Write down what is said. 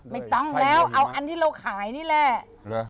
ไม่ต้องแล้วเอาอันที่เราขายนี่แหละ